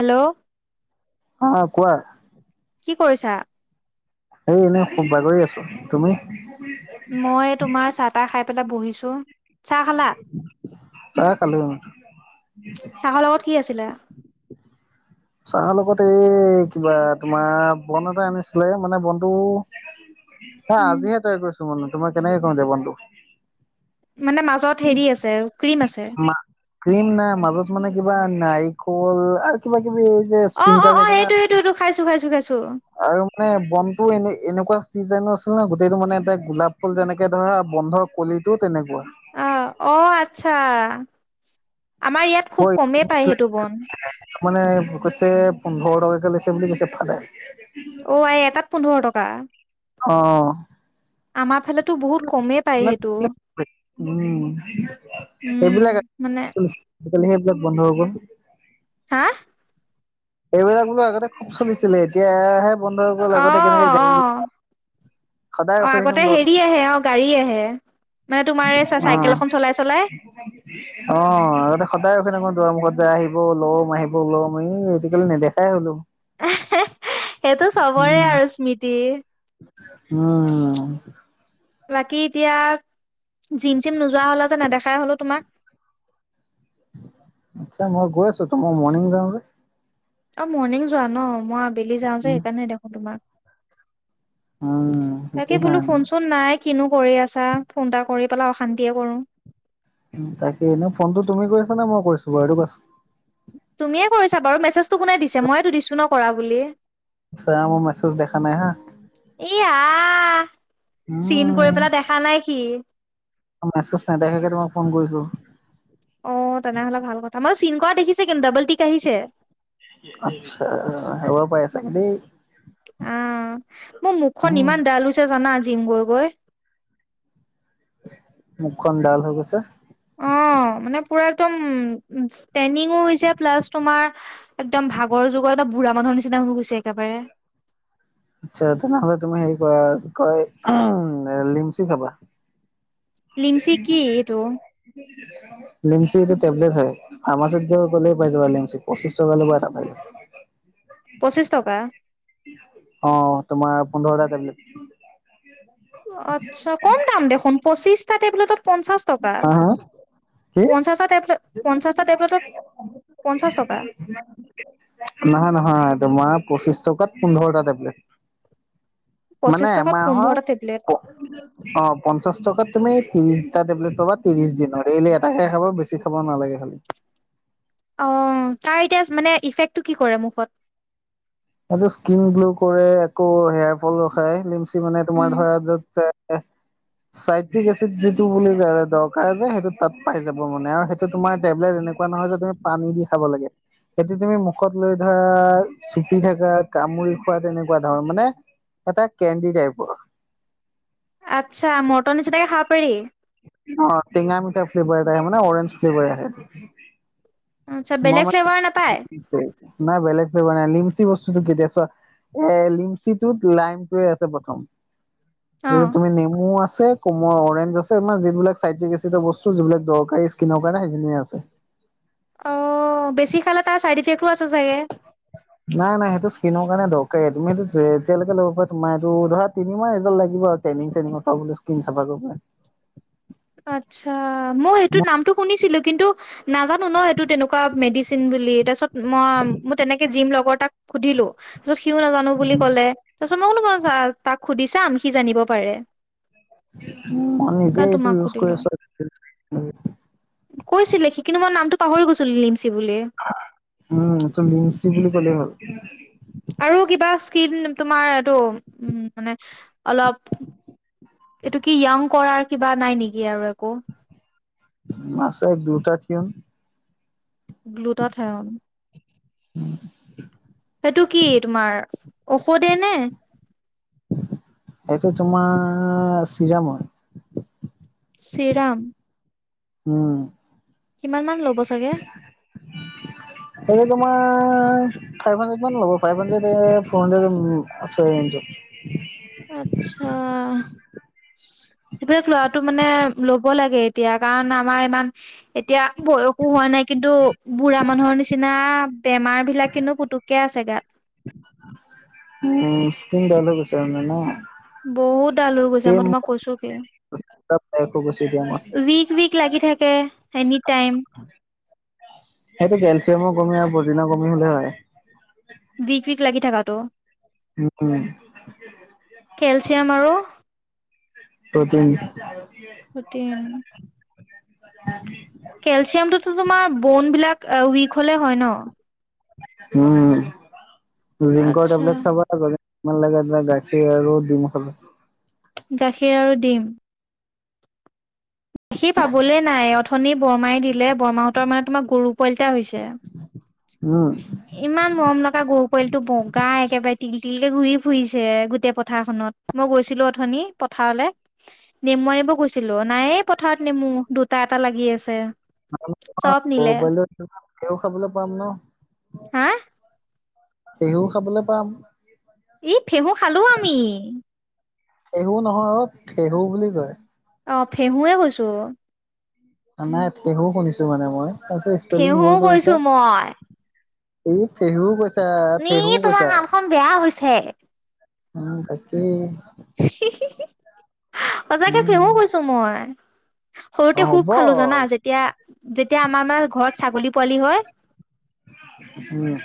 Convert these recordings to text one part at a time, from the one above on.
Hello অঁ কোৱা? কি কৰিছা? এ এনেই খুব বাগৰি আছো তুমি। মই তোমাৰ চাহ তাহ খাই পেলাই বহিছো। চাহ খালা চাহ খালো চাহৰ লগত কি আছিলে চাহৰ লগত এই কিবা তোমাৰ বন এটা আনিছিলে, মানে বনটো হা উম, আজিহে তয়াই কৰিছো মানে তোমাৰ কেনেকে কও এতিয়া বনটো মানে মাজত হেৰি আছে ক্ৰীম আছে। মা ক্ৰীম নাই মাজত মানে কিবা নাৰিকল আৰু কিবা কিবি এই যে অ', অ', স্প্ৰিংকল অ', থাকে ন সেইটো সেইটোটো খাইছো খাইছো খাইছো। আৰু মানে বনটো এনে এনেকুৱা ডিজাইনো আছিল ন গোটেইটো মানে এটা গোলাপ ফুল যেনেকে ধৰা বন্ধৰ কলিটো তেনেকুৱা। অ অ আচ্ছা আমাৰ ইয়াত খুব কমেই পায় সেইটো বন। মানে, ভুকতে পোন্ধৰ টকাকে লৈছে বুলি কৈছে ফাডাই। অ আই এটাত পোন্ধৰ টকা? অ। আমাৰ ফালেতো বহুত কমেই পায় সেইটো। উম, উম, সেইবিলাক মানে আজিকালি সেইবিলাক বন্ধ হব। হা? এইবিলাক বোলো আগতে খুব চলিছিলে এতিয়াাহে বন্ধ হৈ অ', গল আগতে কেনেকে অ', গাড়ী সদায় অ ৰখি থাকিম আগতে দ হেৰি আহে অ গাড়ী আহে। মানে তোমাৰ এই চা অ চাইকেল এখন চলাই চলাই অ আগতে সদায় ৰখি ন ম [unintelligible] দুৱা মুখত যে আহিব লম আহিব লম। মই আজিকালি নেদেখাই হলো সেইটো চবৰে উম। আৰু স্মৃতি। উম। বাকী এতিয়া জিম চিম নোযোৱা হলা যে নেদেখাই হলো তোমাক। আচছা মই গৈ আছো তো মই মৰ্ণিং যাও যে। অ মৰ্ণিং যোৱা ন? মই আবেলি যাওঁ যে উম, সেইকাৰণে নেদেখো তোমাক। উম সেইটো তাকে বোলো কাৰণে। শুনচোন নাই? কিনো কৰি আছা ফোন এটা কৰি পেলাই অশান্তিয়ে কৰো। উ তাকে এনে ফোনটো তুমি কৰিছা নে মই কৰিছো বাৰু এইটো কোৱাচোন। তুমিয়ে কৰিছা বাৰু মেছেজটো কোনে দিছে মইতো দিছো ন কৰা বুলি। আছাম মেছেজ দেখা নাই হা। এ আহ চিন উম, কৰি পেলাই দেখা নাই সি। মেছেজ নেদেখোকে তোমাক ফোন কৰিছো। অ তেনেহলে ভাল কথা মই চিন কৰা দেখিছে কিন্তু ডাবল টিক আহিছে। আত্ছা হব পাৰে চাগে দেই। আহ মোৰ মুখখন উম ইমান ডাল হৈছে জানা আজি জিং গৈ গৈ। খন ডাল হৈ গৈছে্? অ মানে পুৰা একদম ষ্টেনিং ও হৈছে প্লাছ তোমাৰ একদম ভাগৰ যুগৰ এটা বুঢ়া মানুহৰ নিচিনা হৈ গৈছে একেবাৰে। আচ্ছা তেনেহ'লে তুমি হেৰি কৰা কয় উম লিমচি খাবা। লিমচি কি এইটো [unintelligible] এইটো টেবলেট হয়। ফাৰ্মাচিতত গৈ কলে পাই যাবা লিমচি, পঁচিশ টকা লব এটা। পঁচিছ টকা? অ তোমাৰ পোন্ধৰটা টেবলেট আচ্ছা কম দাম দেখোন পঁচিশটা টেবুলটত পঞ্চাশ টকা। হা হা কি পাছ পঞ্চাছটাপত পঞ্চাছ টকা? নহয় নহয় তোমাৰ পঁচিশ টকাত পোন্ধৰটা টেবলেট। পঁচিশ মানে টকাত পোন্ধৰটা টেবলেট এমাহৰ অ পঞ্চাশ টকাত তুমি ত্ৰিশ ট টেবলেট পাব ত্ৰিশ দিন দেইলি এটাকে খাব বেছি খাব নালাগে খালি। অ তাৰ এতিয়া মানে ইফেক্টটো কি কৰে মুখত? এইটো স্কিন গ্ল' কৰে আকৌ হেয়াৰ ফল ৰখাই লিমচি মানে তোমাৰ উম, ধৰা যত চাইট্ৰিক এচিড যিটো বুলি ক দৰকাৰ যে সেইটো তাত পাই যাব মানে আৰু সেইটো তোমাৰ টেবলেট এনেকে নহয় যে তুমি পানী দি খাব লাগে সেইটো তুমি মুখত লৈ ধৰা কি থকা কামুৰি খোৱা তেনেকুৱা ধৰণৰ মানে এটা কেণ্ডি টাইপৰ। আচ্ছা মটন নিচিনাকে খাব পাৰি? অ টেঙা মিঠা ফ্লেভাৰএটা আহে মানে অৰেঞ্জ ফ্লেভাৰ আহে। আচ্ছা মই বেলেগ ফ্লেভাৰ নাপায় মানে নাই বেলেগ ান লিমচি বস্তুটো কেতিয়া এ লিমচিটোত লাইমটো আছে প্ৰথম। যেয়া অ', তুমি নেমু আছে কোমোৱা অৰেঞ্জ আছে। আমাৰ যিবিলাক চাইটিক এচিডৰ বস্তু যিবিলাক দৰকাৰী স্কিনৰ কাৰণে সেইখিনিয়ে আছে। অ বেছি খালে তাৰ চাইড ইফেক্ট নাই নাই সেইটো স্ কিন দৰকাৰ তুমিটো যেতিয়কে লব পাৰা তোমাৰ এইটো ধৰা তিনিমাহ ৰিজাল্ লাগিব আৰু ট্ৰেইং চ তিন চাফা কৰিব। আতছা মই সেইটো নামটো শুনিছিলো। কিন্তু নাজানো ন এইটো তেনেকুৱা মেডিচিন বুলি তাৰপিছত ম ম তেনেকে জিম লগত। তাক সুধিলো তাৰপিছত সিওঁ নাজানো বুলি ক'লে তাক সুধিছা আম সি জানিব পাৰে ম নিজে কাৰণ এইটো তোমাক ইজ কৈছিলে সি কিন্তু মই নামটো পাহৰি গৈছিলো। বুলি উম তম মিমচি বুলি ক'লে হ'ল আৰু কিবা স্কিল তোমাৰ এইটো উ মানে অলপ এইটো কি য়াং কৰাৰ কিবা নাই নেকি আৰু একো মাছ এক দুটা থন গ্লুটা ঠাইন। উম সেইটো কি তোমাৰ ঔষধে নে এইটো তোমাৰ চিৰামত চিৰাম উম কিমান মান ল'ব চাগে উ ফ হাড্ৰ মান ল'ব ফাইভ হাড্ৰড ফ হাড্ৰড আ আত্ছা সেইবিলাক লৰাটো মানে ল'ব লাগে এতিয়া কাৰণ আমাৰ ইমান এতিয়া বয়সো হোৱা নাই কিন্তু বুঢ়া মানুহৰ নিচিনা বেমাৰ বিলাক কিন্তু পুতুকে আছে গাত উ স্ক অলপ আছে মে ন বহুত ডাল হৈ গৈছে মই ছেম তোমাক কৈছো কি শেষ হৈ গৈছে এতিয়া মই। উইক উইক লাগি থাকে এনি টাইম। সেইটো কেলচিয়ামৰ কমি আৰু প্ৰটনৰ কমি হ'লে হয় টো উম কেলচিয়াম আৰু প্ৰটিন। প্ৰটিন কেলচিয়ামটোতো তোমাৰ বন বিলাক উইক হলে হয় ন উম জিংক আচ্ছা আমলেট খাব। মাল লাগে এ গাখীৰ আৰু দিম খাব গাখীৰ আৰু ডিম সি পাবলৈ নাই অথনি বমাই দিলে বৰৰ্মাহঁতৰ মানে তোমাৰ গৰু পোৱালি এটা হৈছে। উম, ইমান মৰম লগা গৰু পোৱালি টো বগা একেবাৰে তিল তিল ঘূৰি ফুৰিছে গোটেই পথাৰখনত মই গৈছিলো অথনি পথাৰলে নেমু আনিব। কৈছিলো নাই পথাৰত নেমু দুটা এটা লাগি আছে। চব নিলে ও খাবলৈ পাম ন হা শেহুও খাবলৈ পাম এই ফেহোঁ খালো আমি এহু নহয় অ ফেহু বুলি কয়। অ ফেহুৱে কৈছো। নাই শুনিছো মানে মই তাৰপিছত স্পেলিং ফেহু ভুল কৰিছা গৈছো মই এই পেহো কৈছা নি পেহু তোমাৰ কৈছা কাণখন বেয়া হৈছে উম তাক উম হি হি হি সজাকে উম। ফেহু কৈছো মই সৰুতে অ' খুখ হ'ব খালো জানা যেতিয়া যেতিয়া আমাৰ আমাৰ ঘৰত ছাগলী পোৱালি হয় উম।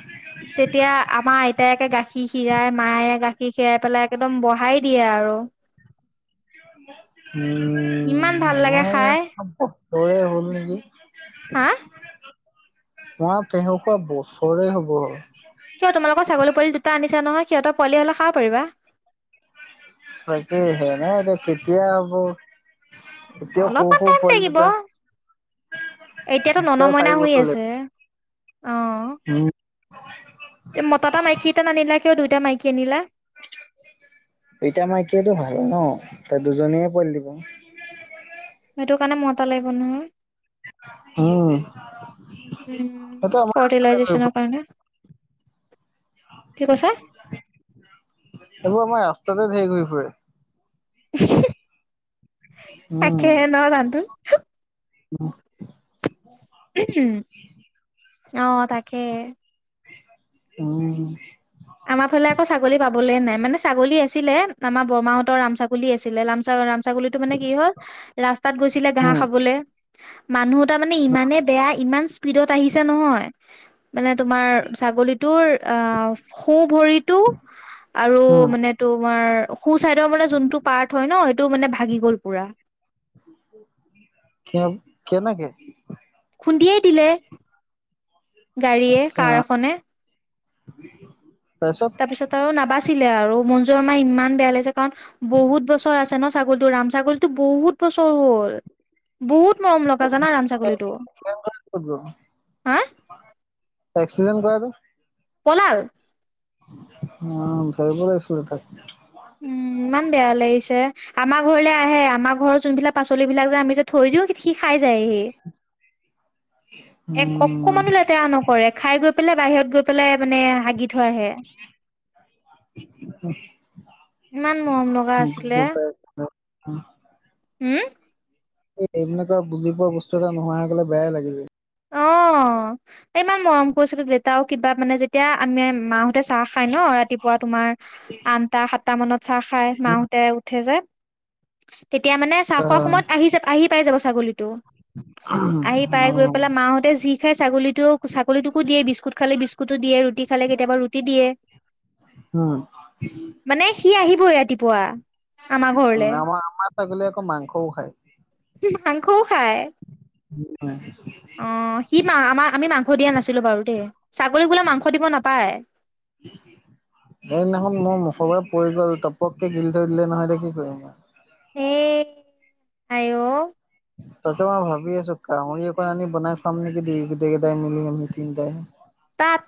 তেতিয়া আমাৰ আইতায়কে গাখীৰ খীৰাই মায়ে গাখীৰ খিৰাই পেলাই একদম বঢহাই দিয়ে আৰু উম ইমান ভাল লাগে মই খাই বছৰে হ'ল নেকি হা মই তেনেকুৱা বছৰে হ'ব হল কিয় তোমালোকৰ ছাগলী পোৱালি দুটা আনিছা নহয় সিহঁতৰ পোৱালি হ'লে খাব পাৰিবা তাকে সে ন এতিয়া কেতিয়া আকৌ। অলপমান টাইম লাগিব। এতিয়াতো এতিয়াও ননমইনা চাৰি হৈ বছৰলে আছে। উম মতা এটা মাইকী এটা নানিলা কিয় দুইটা মাইকী আনিলা। দুইতা মাইকিয়তো ভাইেই ন ত দুজনীয়ে পল দিব সেইটো কাৰণে মতা লাগিব নহয়। উম, উ সেইটো আমাৰ ৰাস্তাতে ঘূৰি ফৰ্টিলাইজেচনৰ ফুৰে কাৰণে কি কৈছা এইবোৰ আমাৰ ৰাস্তাতে ঢেৰ হৈ ফুৰে তাকে ন জান্তু অ অ তাকে উম আমাৰ ফালে আকৌ ছাগলী পাবলেই নাই। মানে ছাগলী আছিলে আমাৰ বৰমাহতৰ ৰাম ছাগলী আছিলে। ছাগলী টো মানে কি হল ৰাস্তাত গৈছিল ঘাহ উম, খাবলে, মানু্হ তাৰ মানে ইমানে বেয়া, ইমান স্পীডত আহিছে নহয়। মানে তোমাৰ ছাগলীটোৰ অ সোঁ ভৰিতটো আৰু উম, মানে তোমাৰ সু ছাইডৰ মানে যোনটো পাৰ্ট হয় ন সেইটো মানে ভাগি গ'ল পুৰা। কে কেনেকে। খুন্দিয়েই দিলে গাড়ীয়ে আচ্ছা, কাৰ এখনে [unintelligible] তাৰপিছত আৰু নাবাজ ছিলে আৰু মনজুৰ আমাৰ ইমান বেয়া লাগিছে কাৰণ বহুত বছৰ আছে ন ছাগলতো ৰাম ছাগলতো বহুত বছৰ চৰু হ'ল বহুত। মৰমলগা জানা ৰাম ছাগলীটো এক্সিডেণ্ট হা একচিদেন্ত কৰাটো। পলাল অ ধৰিব লাগিছিলে তাক উম ইমান বেয়া লাগিছে আমাৰ ঘৰলে আহে আমাৰ ঘৰৰ যোনবিলাক পাচলিবিলাক যে আমি যে থৈ দিওঁ। সি খাই যায়হি এক উম, অকমানো লেতেৰা নকৰে খাই গৈ পেলাই। বাহিৰত গৈ পেলাই মানে হাগি থৈ আহে ইমান মৰম লগা আছিলে প হম এইবিলাকৰ বুজি পোৱা বস্তু এটা নোহোৱা হয় গলে বেয়াই লাগি যায় অ ইমান মৰম কৰিছিলো দেউতাও কিবা মানে যেতিয়া আমি মাহত তে চাহ খাই ন ৰাতিপুৱা তোমাৰ আনটা সাতটা মানত চাহ খাই উম, মাহতে উঠে যে। তেতিয়া মানে চাহ হয়, খোৱা হয়। সময়ত আহি যাব আহি পাই যাব ছাগলীতটো। অ ফালা মাহঁ যি খাই ছাগলী চাগলীটোকো দিয়ে বিস্কুট খালে বিস্কুট ও দিয়ে ৰুটি খালে কেতিয়াবা ৰুটি দিয়ে, উম, মানে সি আহিবই ৰাতিপুৱা। আমাৰ উ ঘৰলে আমাৰ আমাৰ চাকলে আকৌ মাংসও খায় মাংসও খায় উম। অ সি আমাৰ আমি মাংস দিয়া নাছিলো বাৰু দেই ছাগৰি বোলে মাংস দিব নাপায়। [unintelligible] সেইদিনাখন মোৰ মুখৰ পৰা পৰি গ'ল টপককে গিল থৈ দিলে নহয় এতিয়া কি কৰিম। এ আইও। তাকেই মই ভাবি আছো গাহৰি অকণ আনি বনাই খোৱাম নেকি দু গোটেই কেইটাই মিলিম আমি তিনিটাই তাত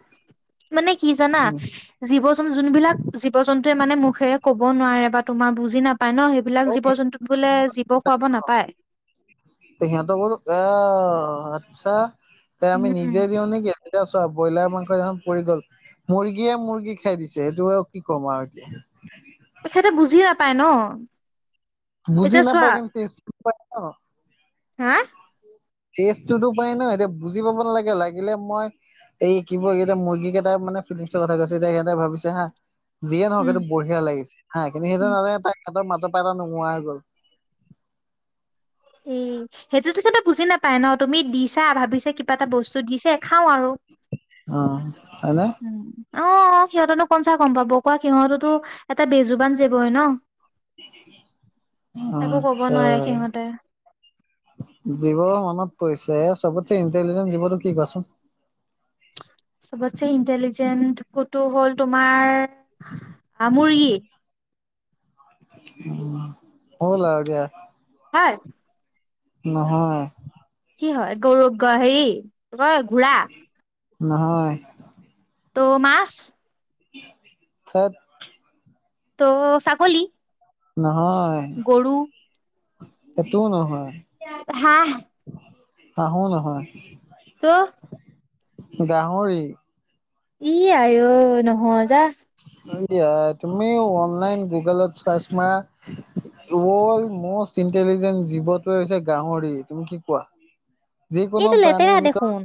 মানে কি জানা উম, জীৱ যোনবিলাক জীৱ জন্তুুৱে মানে মুখেৰে ক'ব নোৱাৰে বা তোমাৰ বুজি নাপা পায় ন সেইবিলাক অ, জীৱ জন্তুত বোলে জীৱ খোৱাব নাপায়। সিহঁত কৰো এ আচ্ছা তে আমি উম নিজে দিওঁ নেকি। এতিয়া চোৱা ব্ৰইলাৰ মাংস সিদিনাখন পৰি গ'ল মুৰ্গীয়ে মুৰ্গী খাই দিছে সেইটো আৰু কি ক'ম আৰু এতিয়া। তেখেতে বুজি নাপায় ন। বুজি এতিয়া চোৱা নাপায় কিন্ত প হা? টেষ্ট টোতো পাই ন এতিয়া বুজি পাব নালাগে লাগিলে মই এই কি এতিয়া মুৰ্গী কেইটা মানে ফিলিংছৰ কথা কৈছো দেই এতিয়া সিহতে ভাবিছে হা যিয়ে নহওক উম সেইটো বঢ়িয়া লাগিছে হা কিন্তু সেইটো উম, নাজানে তা হতৰ মাজৰ পা এটা নোহোৱা হৈ গ'ল। এই সেইটোতো বুজি নাপাই ন তুমি দিছা ভাবিছা কিবা এটা বস্তু দিছে খাও আৰু, অ হয়নে উম। অ সিহঁতেনো কনচা গম পাব কোৱা সিহঁতেতো এটা বেজোবান জীৱ হয় ন। একো কব নোৱাৰে সিহঁতে জীৱ মনত পৰিছে চবতে ইণ্টেলিজেন্ট জীৱটো কি কোৱাচোন? চবতছে ইণ্টেলিজেন্ট কটো হ'ল তোমাৰ! হা মুৰ্গী। হল আও দিয়া। হয়। নহয়। কি হয় গৌৰৱ গ হেৰি হয় ঘোৰা। নহয়। তো মাছ? ঠেত। তো চাগলি। নহয়, গৰু? এইটোও নহয়। হাঁহ হাহোঁ নহয়। তো গাহৰি। ই আ অই নহয় যা। য়া তুমি অনলাইন গুগলত চাৰ্চ মাৰা ৱৰ্ল্ড মষ্ট ইণ্টেলিজেন্ট জীৱটোৱে হৈছে গাহৰি তুমি কি কোৱা। যিকোনো এইটো লেতেৰা প্ৰাণীৰ দেখোন ভিতৰত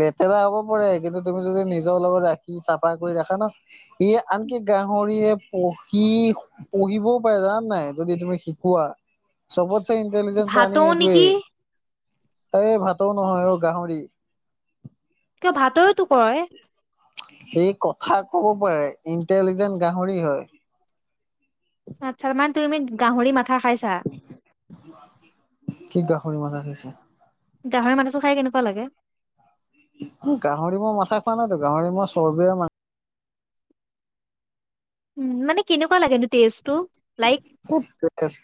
লেতেৰা হ'ব পাৰে কিন্তু তুমি যদি নিজৰ লগত ৰাখি চাফা কৰি ৰাখা ন সি আনকি গাহৰিয়ে পঢ়ি পঢ়িবও পাৰে জানা নাই যদি তুমি শিকোৱা। চবত চে ইণ্টেলিজেন্ট প্ৰাণী ভাতৌ এইটোৱে। নেকি এই ভাতৌ নহয় অ গাহৰি। ভাটৌ এ টো কয়। এই কথা কব পাৰে ইণ্টেলিজেন্ট গাহৰি হয়। আত্ছা মানে তুমি গাহৰি মাথা খাইছা। কি গাহৰি মাথা খাইছা? গাহৰি মাথাটো খাই কেনেকুৱা লাগে? গাহৰি মই মাথা খোৱা নাইতো গাহৰি মই চৰ্বিয়ৰে মান উ মানে কেনেকুৱা লাগেনো টেষ্টটো লাইক মাংস